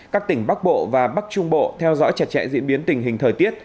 các tỉnh bắc bộ và bắc trung bộ theo dõi chặt chẽ diễn biến tình hình thời tiết